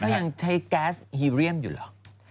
ยังใช้แก๊สฮีเรียมอยู่เหรอ